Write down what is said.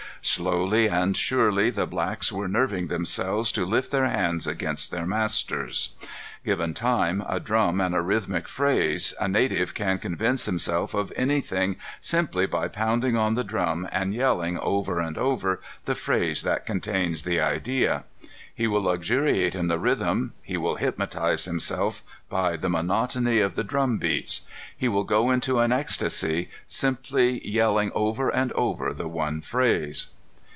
Slowly and surely the blacks were nerving themselves to lift their hands against their masters. Given time, a drum and a rhythmic phrase, a native can convince himself of anything simply by pounding on the drum and yelling over and over the phrase that contains the idea. He will luxuriate in the rhythm, he will hypnotize himself by the monotony of the drum beats. He will go into an ecstasy, simply yelling over and over the one phrase.